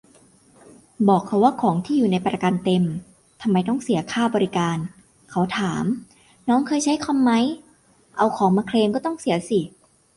บอกเขาว่าของอยู่ในประกันเต็ม ทำไมต้องเสียค่าบริการ เขาถาม น้องเคยใช้คอมไหม เอาของมาเคลมก็ต้องเสียสิ